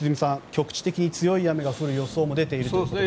局地的に強い雨が降る予想も出ているということです。